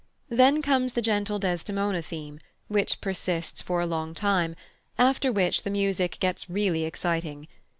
Then comes the gentle Desdemona theme, which persists for a long time, after which the music gets really exciting.